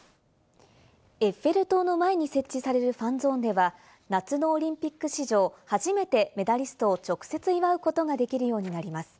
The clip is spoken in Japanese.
エッフェル塔の前に設置されるファンゾーンでは、夏のオリンピック史上初めてメダリストを直接祝うことができるようになります。